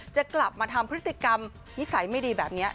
จะกลับมาทำพฤติกรรมนิสัยไม่ดีแบบนี้